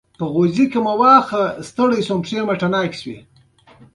تر ټولو لوړه څوکه د پامیر د غرونو مربوط ده